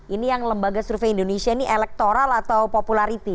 ini yang lembaga survei indonesia ini elektoral atau popularity